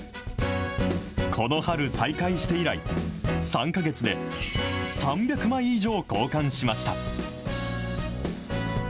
この春、再開して以来、３か月で、３００枚以上交換しました。